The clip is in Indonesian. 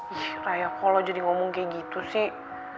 ih raya kok lo jadi ngomong kayak gitu sih